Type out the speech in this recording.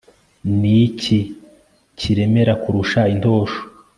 ni iki kiremera kurusha intosho